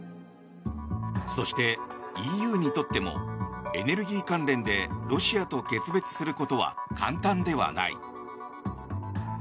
そして、ＥＵにとってもエネルギー関連でロシアと決別することは簡単ではない。